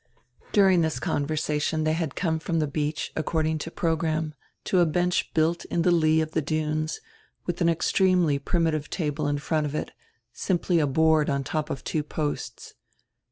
During this conversation they had come from the beach, according to program, to a bench built in the lee of the dunes, with an extremely primitive table in front of it, simply a board on top of two posts.